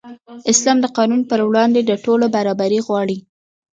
اسلام د قانون پر وړاندې د ټولو برابري غواړي.